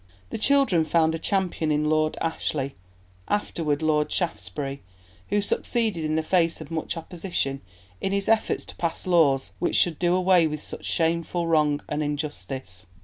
The children found a champion in Lord Ashley, afterward Lord Shaftesbury, who succeeded in the face of much opposition in his efforts to pass laws which should do away with such shameful wrong and injustice.